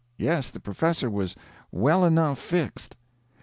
Yes, the professor was well enough fixed.